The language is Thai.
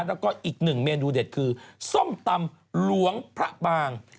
แล้วก็อีกหนึ่งเมนูเด็ดคือส้มตำหลวงพระบาง